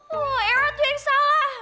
oh era itu yang salah